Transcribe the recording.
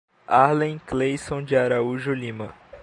Arlen Cleisson de Araújo Lima